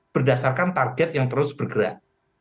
berdasarkan target yang terus bergerak